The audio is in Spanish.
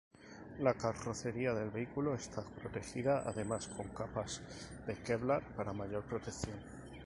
La carrocería del vehículo está protegida además con capas de Kevlar para mayor protección.